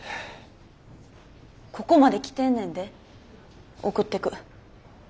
ここまで来てんねんで送ってく。